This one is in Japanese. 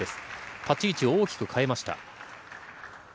立ち位置、大きく変えました。